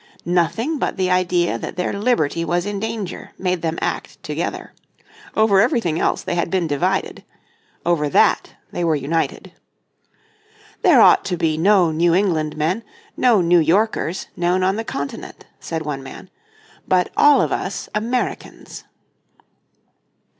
Nothing but the idea that their liberty was in danger made them act together. Over everything else they had been divided. Over that they were united. "There ought to be no New England men, no New Yorkers, known on the continent," said one man; "but all of us Americans."